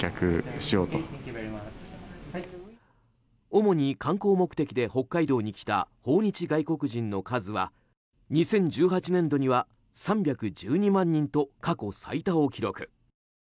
主に観光目的で北海道に来た訪日外国人の数は２０１８年度には３１２万人と過去最多を記録。